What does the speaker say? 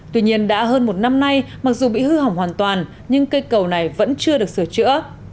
tuy nhiên đã hơn một năm nay mặc dù bị hư hỏng hoàn toàn nhưng cây cầu này vẫn chưa được sửa chữa